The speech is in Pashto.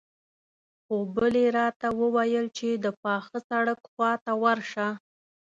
خو بلې راته وويل چې د پاخه سړک خواته ورشه.